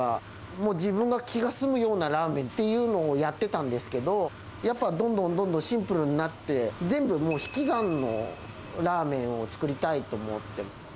もう自分が気が済むようなラーメンっていうのをやってたんですけど、やっぱ、どんどんどんどんシンプルになって、全部引き算のラーメンを作りたいと思って。